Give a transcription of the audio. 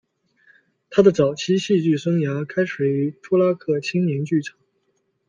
他的早期戏剧生涯开始于托拉克青年剧场。